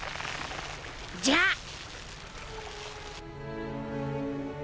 じゃあ！